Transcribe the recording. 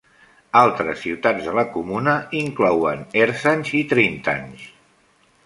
Altres ciutats de la comuna inclouen Ersange i Trintange.